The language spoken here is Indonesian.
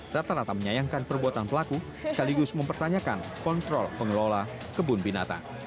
rata rata menyayangkan perbuatan pelaku sekaligus mempertanyakan kontrol pengelola kebun binatang